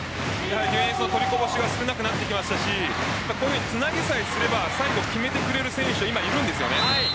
ディフェンスの取りこぼしが少なくなりましたしつなぎさえすれば最後決めてくれる選手いるんです。